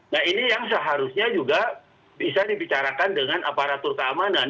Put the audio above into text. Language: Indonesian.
nah ini yang seharusnya juga bisa dibicarakan dengan aparatur keamanan